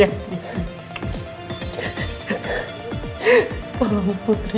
seumur hidup saya saya gak pernah bayangin hal ini terjadi